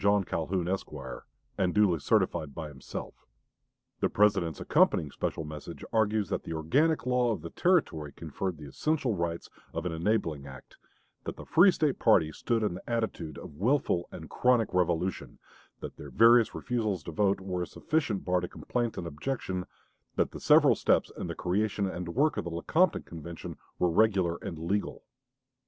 Calhoun, Esq.," and "duly certified by himself." The President's accompanying special message argues that the organic law of the Territory conferred the essential rights of an enabling act; that the free State party stood in the attitude of willful and chronic revolution; that their various refusals to vote were a sufficient bar to complaint and objection; that the several steps in the creation and work of the Lecompton Convention were regular and legal.